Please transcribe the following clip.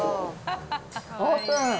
オープン。